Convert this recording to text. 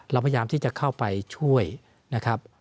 เราพยายามที่จะเข้าไปช่วยนะครับ